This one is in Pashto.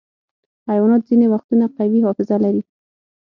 حیوانات ځینې وختونه قوي حافظه لري.